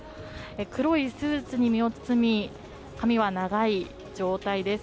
黒いスーツに身を包み、髪は長い状態です。